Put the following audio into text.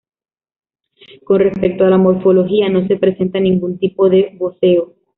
Con respecto a la morfología, no se presenta ningún tipo de voseo.